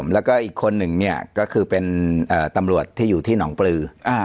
แล้วก็อีกคนหนึ่งเนี่ยก็คือเป็นตำรวจที่อยู่ที่หนองปลือ